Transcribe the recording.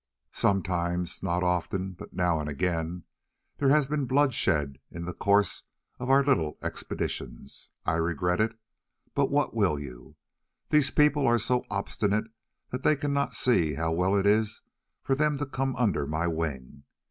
"Sometimes, not often, but now and again, there has been bloodshed in the course of our little expeditions. I regret it. But what will you? These people are so obstinate that they cannot see how well it is for them to come under my wing.